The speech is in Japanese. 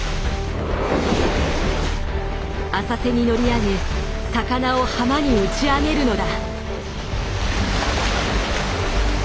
浅瀬に乗り上げ魚を浜に打ち上げるのだ。